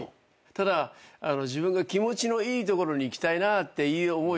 ただ自分が気持ちのいいところにいきたいなって思いだけなんです。